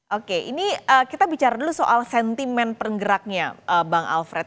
oke ini kita bicara dulu soal sentimen penggeraknya bang alfred